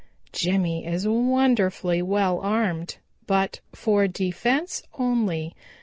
"Jimmy is wonderfully well armed, but for defense only.